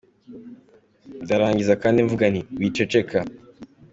Ndarangiza kandi mvuga nti « Wiceceka !